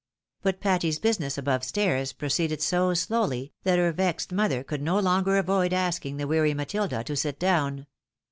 But Patty's business above stairs, proceeded so slowly, that her vexed mother could no longer avoid asking the weary Matilda to sit down.